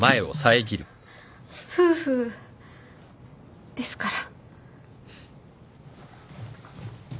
夫婦ですから。